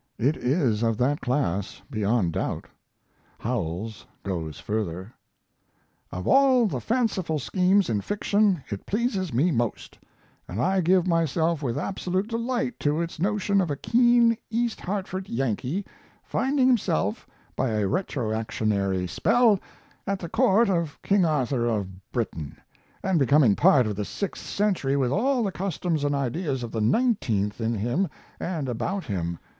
It is of that class, beyond doubt. Howells goes further: Of all the fanciful schemes in fiction it pleases me most, and I give myself with absolute delight to its notion of a keen East Hartford Yankee finding himself, by a retroactionary spell, at the court of King Arthur of Britain, and becoming part of the sixth century with all the customs and ideas of the nineteenth in him and about him.